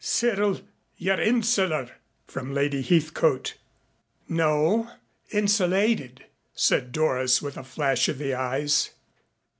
"Cyril, you're insular," from Lady Heathcote. "No, insulated," said Doris with a flash of the eyes.